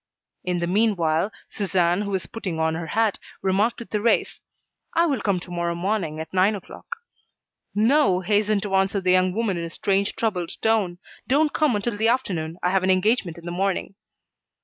In the meanwhile, Suzanne, who was putting on her hat, remarked to Thérèse: "I will come to morrow morning at nine o'clock." "No," hastened to answer the young woman in a strange, troubled tone, "don't come until the afternoon I have an engagement in the morning."